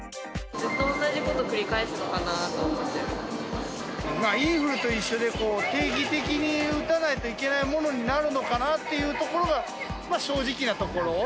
ずっと同じこと繰り返すのかインフルと一緒で、定期的に打たないといけないものになるのかなっていうところが正直なところ。